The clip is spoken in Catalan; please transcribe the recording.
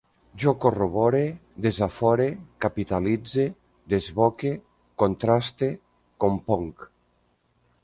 Jo corrobore, desafore, capitalitze, desboque, contraste, componc